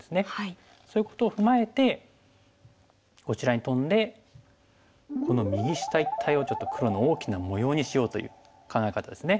そういうことを踏まえてこちらにトンでこの右下一帯をちょっと黒の大きな模様にしようという考え方ですね。